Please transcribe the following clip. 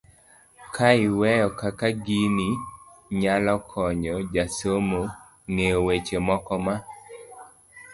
ka iweyo kaka gini nyalo konyo jasomo ng'eyo weche moko ma